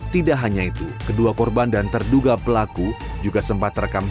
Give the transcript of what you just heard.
tidak hanya itu kedua korban dan terduga pelaku juga sempat rekam